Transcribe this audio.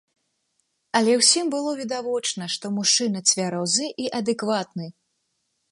Але ўсім было відавочна, што мужчына цвярозы і адэкватны.